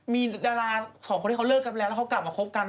มีดาราของเขาเลิกกันแล้วเขากลับมาคบกัน